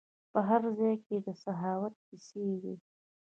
په هر ځای کې د ده سخاوت کیسې وي.